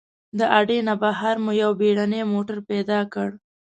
د اډې نه بهر مو یو بېړنی موټر پیدا کړ.